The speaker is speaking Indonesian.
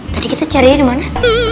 tadi kita carinya di mana